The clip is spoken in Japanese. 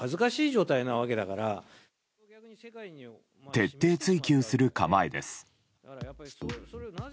徹底追及する構えです。